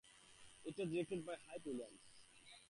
It was directed by Hype Williams.